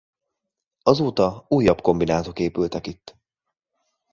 Azóta újabb kombinátok épültek itt.